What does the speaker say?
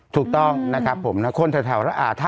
ถูกต้องคนแถวท่าพระ